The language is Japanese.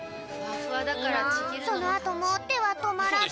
そのあともてはとまらず。